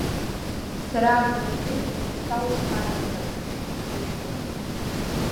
Сара агәра згеит уажәшьҭа ушхаҵахаз, сыҷкәын.